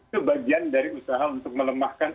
sebagian dari usaha untuk melemahkan